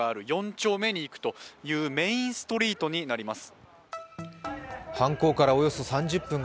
丁目にいくというメインストリートになります。